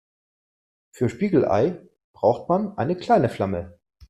Für Spiegelei braucht man eine kleine Flamme.